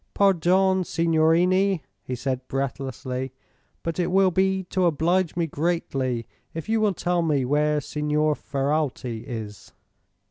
"Pardon, signorini," he said, breathlessly, "but it will be to oblige me greatly if you will tell me where Signor Ferralti is."